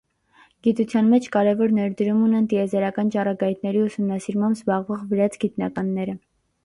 Գիտության մեջ կարևոր ներդրում ունեն տիեզերական ճառագայթների ուսումնասիրմամբ զբաղվող վրաց գիտնականները։